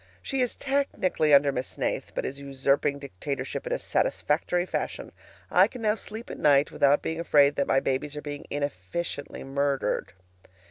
She is technically under Miss Snaith, but is usurping dictatorship in a satisfactory fashion. I can now sleep at night without being afraid that my babies are being inefficiently murdered.